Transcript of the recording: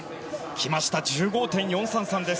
きました、１５．４３３です